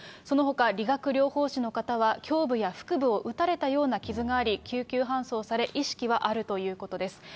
そのほか、理学療法士の方は、胸部や腹部を撃たれたような傷があり、救急搬送され、意識はあるということです。